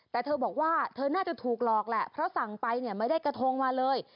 แต่เธอบอกว่าเธอน่าจะถูกหลอกแหละเพราะสั่งไปเนี่ยไม่ได้กระทงมาเลย